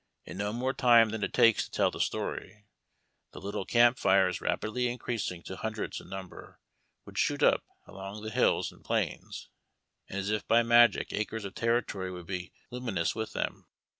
In no more time than it takes to tell the story, the little camp fires, rapidly increasing to hundreds in number, would shoot up along the hills and plains, and as if by magic acres of territory would be lumi nous with them.